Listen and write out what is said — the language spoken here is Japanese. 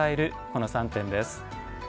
この３点です。